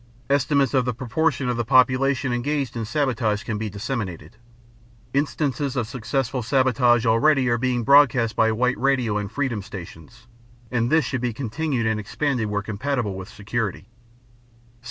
Estimates of the proportion of the population engaged in sabotage can be disseminated. Instances of successful sabotage already are being broadcast by white radio and freedom stations, and this should be continued and expanded where compatible with security.